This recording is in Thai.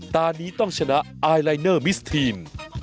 ตอนนี้ต้องชนะไอลายเนอร์มิสทีน